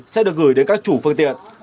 sẽ được gửi đến các chủ phương tiện